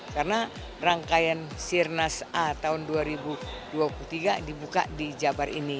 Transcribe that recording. karena rangkaian sirnas a tahun dua ribu dua puluh tiga dibuka di jabar ini